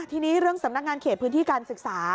ทีนี้เรื่องสำนักงานเขตพื้นที่การศึกษา